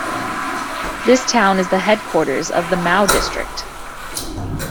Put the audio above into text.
This town is the headquarters of the Mau district.